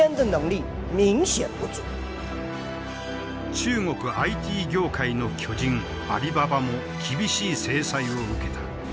中国ＩＴ業界の巨人アリババも厳しい制裁を受けた。